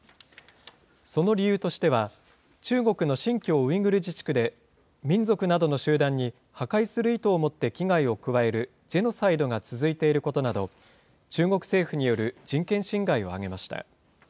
その理由としては、中国の新疆ウイグル自治区で、民族などの集団に破壊する意図を持って危害を加えるジェノサイドが続いていることなど、中国政府による人権侵害を挙げました。